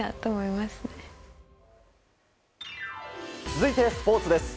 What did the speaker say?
続いて、スポーツです。